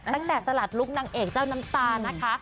ตั้งแต่สลัดลุคนางเอกเจ้าน้ำตานะคะ